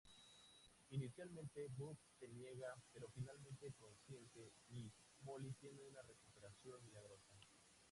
Inicialmente Buck se niega, pero finalmente consiente y Molly tiene una recuperación milagrosa.